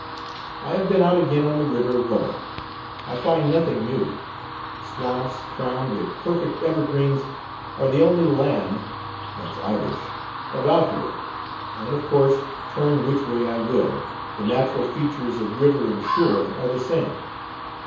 I have been out again on the river, rowing. I find nothing new. Swamps crowned with perfect evergreens are the only land (that's Irish!) about here, and, of course, turn which way I will, the natural features of river and shore are the same.